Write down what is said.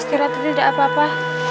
istirahat tidak apa apa